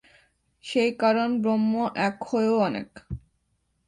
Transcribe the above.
সেই কারণ ব্রহ্ম এক হয়েও অনেক।